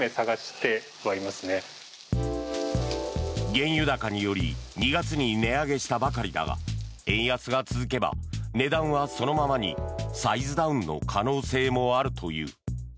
原油高により２月に値上げしたばかりだが円安が続けば値段はそのままにサイズダウンの可能性もあるという。